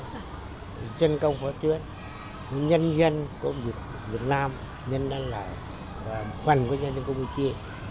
của dân công phó tuyến của nhân dân của việt nam nhân dân là phần của nhà dân công ty